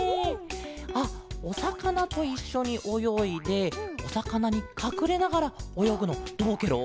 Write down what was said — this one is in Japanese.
あっおさかなといっしょにおよいでおさかなにかくれながらおよぐのどうケロ？